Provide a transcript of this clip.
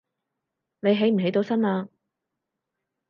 你起唔起到身呀